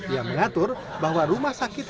yang mengatur bahwa rumah sakit